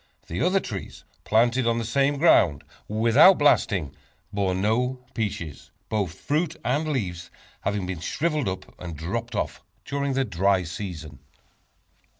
The other trees planted on the same ground without blasting, bore no peaches, both fruit and leaves having shriveled up and dropped off during the dry season.